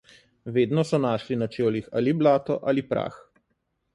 Vedno so našli na čevljih ali blato ali prah.